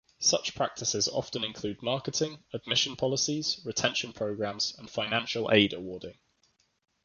Such practices often include marketing, admission policies, retention programs, and financial aid awarding.